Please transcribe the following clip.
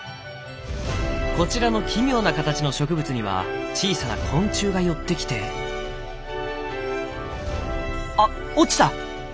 こちらの奇妙な形の植物には小さな昆虫が寄ってきてあ落ちた！